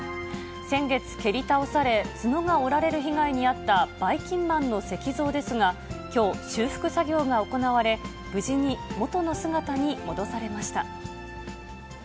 先月、蹴り倒され、角が折られる被害に遭ったばいきんまんの石像ですが、きょう、修復作業が行われ、無事に元の姿に戻されました。